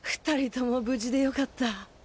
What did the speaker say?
２人とも無事で良かった。